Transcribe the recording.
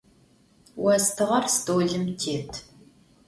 Vostığer stolım têt.